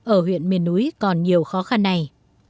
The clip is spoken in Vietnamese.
ở huyện miền núi còn nhiều khó khăn này